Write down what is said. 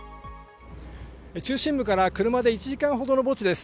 中心部から車で１時間ほどの墓地です。